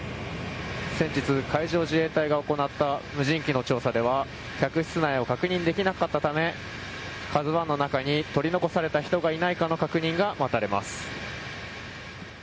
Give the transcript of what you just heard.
先日、海上自衛隊が行った無人機の調査では客室内を確認できなかったため「ＫＡＺＵ１」の中に取り残された人がいないかの確認が待たれます。